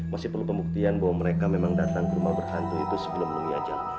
masih perlu pembuktian bahwa mereka memang datang ke rumah berhantu itu sebelum diajak